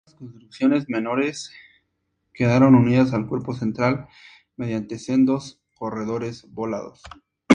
Ambas construcciones menores quedaron unidas al cuerpo central mediante sendos corredores volados.